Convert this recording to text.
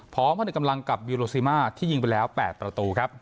พร้อมพันธุ์กำลังกับยูโรซิมาที่ยิงไปแล้ว๘ตระกูลครับ